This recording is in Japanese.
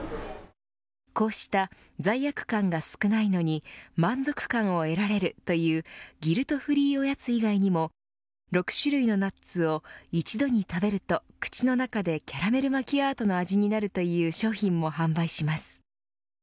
こうした、罪悪感が少ないのに満足感を得られるというギルトフリーおやつ以外にも６種類のナッツを一度に食べると口の中でキャラメルマキアートの味になるという商品も販売します。